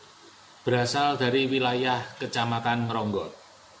mereka juga berasal dari wilayah kecamatan ngronggot